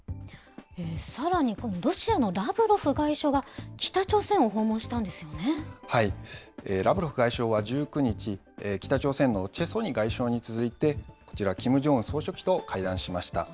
さらにこのロシアのラブロフ外相が、北朝鮮を訪問したんですラブロフ外相は１９日、北朝鮮のチェ・ソニ外相に続いて、こちらキム・ジョンウン総書記と会談しました。